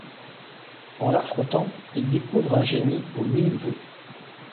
En la frottant, il découvre un génie aux milles vœux.